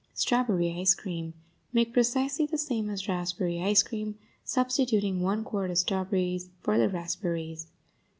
STRAWBERRY ICE CREAM Make precisely the same as raspberry ice cream, substituting one quart of strawberries for the raspberries.